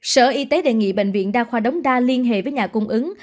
sở y tế đề nghị bệnh viện đa khoa đống đa liên hệ với nhà cung ứng